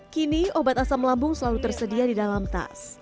kini obat asam lambung selalu tersedia di dalam tas